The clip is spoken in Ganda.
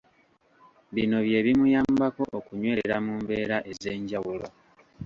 Bino bye bimuyambako okunywerera mu mbeera ez’enjawulo.